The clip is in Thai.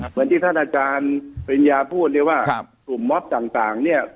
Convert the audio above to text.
เหมือนที่ท่านอาจารย์ปริญญาพูดเลยว่ากลุ่มมอบต่างเนี่ย